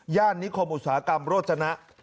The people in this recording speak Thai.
นิคมอุตสาหกรรมโรจนะ